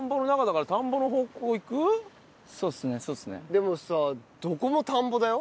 でもさどこも田んぼだよ。